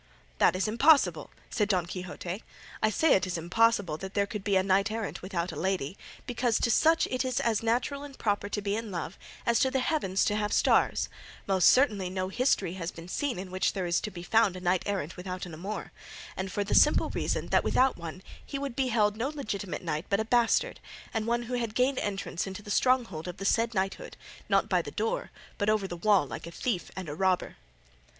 "That is impossible," said Don Quixote: "I say it is impossible that there could be a knight errant without a lady, because to such it is as natural and proper to be in love as to the heavens to have stars: most certainly no history has been seen in which there is to be found a knight errant without an amour, and for the simple reason that without one he would be held no legitimate knight but a bastard, and one who had gained entrance into the stronghold of the said knighthood, not by the door, but over the wall like a thief and a robber."